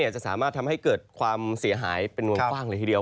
จะสามารถทำให้เกิดความเสียหายเป็นวงกว้างเลยทีเดียว